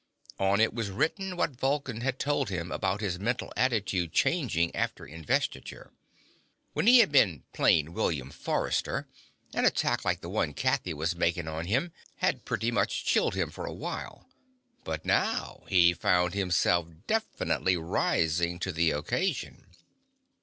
On it was written what Vulcan had told him about his mental attitude changing after Investiture. When he had been plain William Forrester, an attack like the one Kathy was making on him had pretty much chilled him for a while. But now he found himself definitely rising to the occasion.